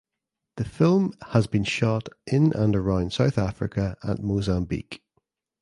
The film has been shot in and around South Africa and Mozambique.